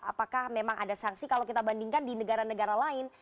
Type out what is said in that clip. apakah memang ada sanksi kalau kita bandingkan di negara negara lain